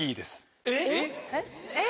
えっ？